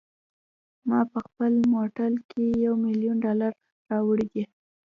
ما په خپل موټر کې یو میلیون ډالره راوړي دي.